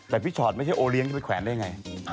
แต่พี่ชอตไม่ใช่โอเลี้ยจะไปแขวนได้ไง